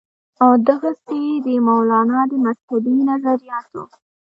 او دغسې د مولانا د مذهبي نظرياتو